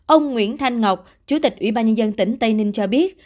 ông nguyễn thanh ngọc chủ tịch ủy ban nhân dân tỉnh tây ninh cho biết